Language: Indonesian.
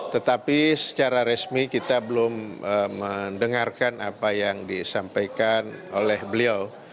tetapi secara resmi kita belum mendengarkan apa yang disampaikan oleh beliau